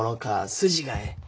筋がええ。